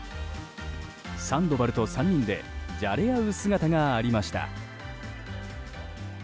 サンドバルと３人でじゃれ合う姿がありました。